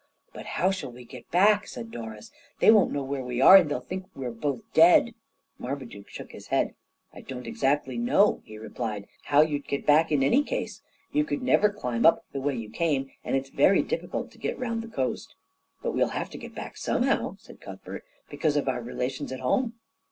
"But how shall we get back?" said Doris. "They won't know where we are, and they'll think that we're both dead." Marmaduke shook his head. "I don't exactly know," he replied, "how you'd get back in any case. You could never climb up the way you came, and it's very difficult to get round the coast." "But we'll have to get back somehow," said Cuthbert, "because of our relations at home."